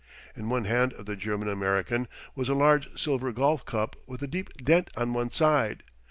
In one hand of the German American was a large silver golf cup with a deep dent on one side.